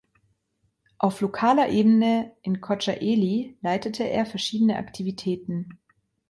Auf lokaler Ebene in Kocaeli leitete er verschiedene Aktivitäten.